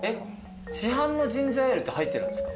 市販のジンジャーエールって入ってるんですか？